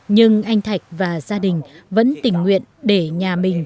nhưng anh thạch và gia đình vẫn tình nguyện để nhà mình